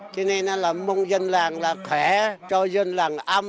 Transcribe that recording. cho nên mong dân làng khỏe cho dân làng âm nô